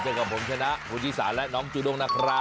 เจอกับผมชนะมูนที่สานและน้องจูนกนะครับ